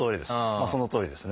そのとおりです。